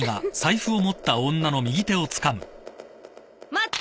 待って。